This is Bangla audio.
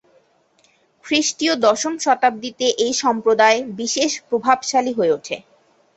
খ্রিস্টীয় দশম শতাব্দীতে এই সম্প্রদায় বিশেষ প্রভাবশালী হয়ে ওঠে।